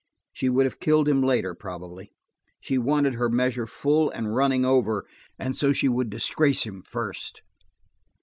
She would have killed him later, probably; she wanted her measure full and running over, and so she would disgrace him first.